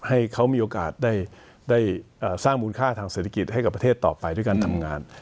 ให้เขามีโอกาสได้สร้างมูลค่าทางเศรษฐกิจให้กับประเทศต่อไปด้วยการทำงาน